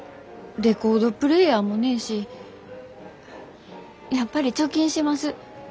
レコードプレーヤーもねえしやっぱり貯金します。